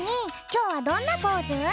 きょうはどんなポーズ？